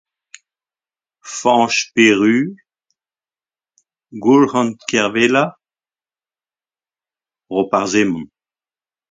Fañch Peru, Goulc'han Kervella, Roparz Hemon.